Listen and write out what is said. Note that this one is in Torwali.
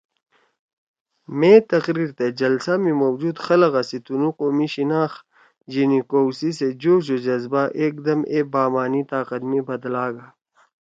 مے تقریر تے جلسہ می موجود خلَگا سی تنُو قومی شناخت جینی کؤ سی سے جوش او جزبہ ایکدم اے بامعنی طاقت می بدلاگا